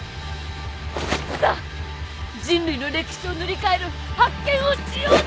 さあ人類の歴史を塗り替える発見をしようぞ！